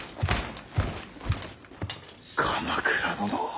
鎌倉殿。